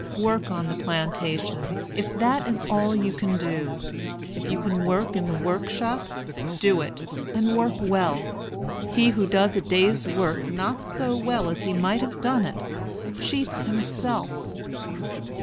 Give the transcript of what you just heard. Work on the plantation, if that is all you can do. If you can work in the workshop, do it, and work well. He who does a day's work not so well as he might have done it, cheats himself.